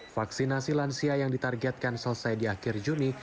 vaksinasi lansia yang ditargetkan selesai di akhir juni